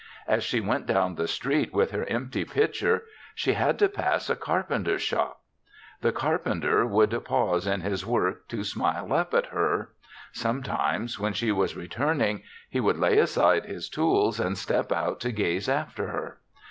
As she went down the street with her empty pitcher, she had to pass a carpenter's shop. The carpenter would pause in his work to smile up at her; some THE SEVENTH CHRISTMAS 23 times, when she was returning, he would lay aside his tools and step out to gaze after her.